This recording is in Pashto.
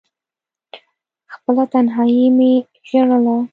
خپله تنهايي مې ژړله…